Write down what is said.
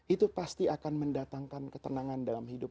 itu pasti akan mendatangkan ketenangan dalam hidup